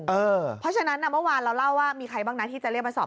เพราะฉะนั้นเมื่อวานเราเล่าว่ามีใครบ้างนะที่จะเรียกมาสอบ